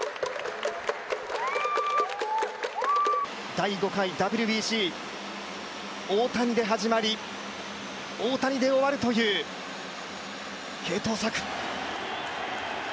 第５回ＷＢＣ、大谷で始まり、大谷で終わるという継投策。